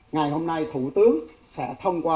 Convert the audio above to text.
ngày hôm nay thủ tướng sẽ thông qua